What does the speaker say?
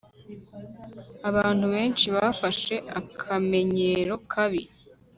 Abantu benshi bafashe akamenyero kabi